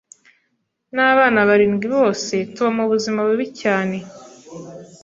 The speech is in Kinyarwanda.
n’abana barindwi bose tuba mu buzima bubi cyane